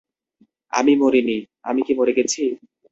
আমি মরিনি, আমি কি মরে গেছি?